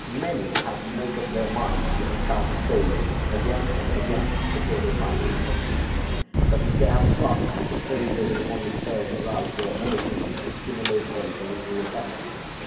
Many have to make up their minds to encounter failure again and again before they finally succeed; but if they have pluck, the failure will only serve to rouse their energies, and stimulate them to renewed efforts.